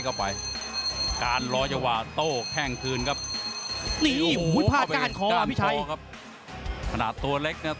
เข้ารำตัว